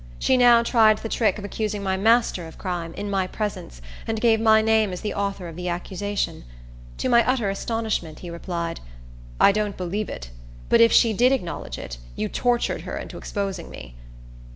She now tried the trick of accusing my master of crime, in my presence, and gave my name as the author of the accusation. To my utter astonishment, he replied, "I don't believe it; but if she did acknowledge it, you tortured her into exposing me."